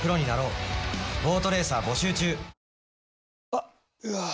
あっ、うわー。